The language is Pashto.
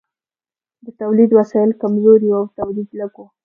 د تولید وسایل کمزوري وو او تولید لږ و.